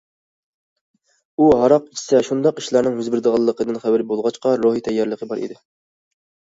ئۇ ھاراق ئىچسە شۇنداق ئىشلارنىڭ يۈز بېرىدىغانلىقىدىن خەۋىرى بولغاچقا روھى تەييارلىقى بار ئىدى.